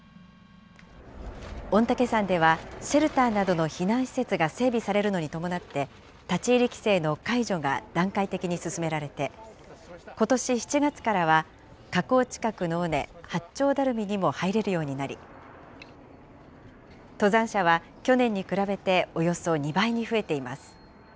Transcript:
御嶽山ではシェルターなどの避難施設が整備されるのに伴って、立ち入り規制の解除が段階的に進められて、ことし７月からは、火口近くの尾根、八丁ダルミにも入れるようになり、登山者は去年に比べて、およそ２倍に増えています。